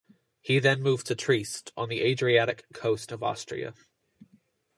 He then moved to Trieste, on the Adriatic coast of Austria.